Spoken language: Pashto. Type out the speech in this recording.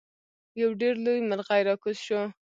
یو ډیر لوی مرغۍ راکوز شو.